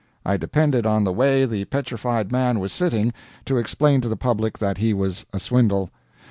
I depended on the way the petrified man was sitting to explain to the public that he was a swindle.